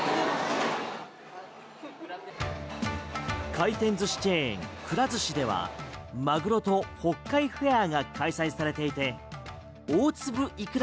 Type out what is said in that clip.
回転寿司チェーンくら寿司ではまぐろと北海フェアが開催されていて大粒いくら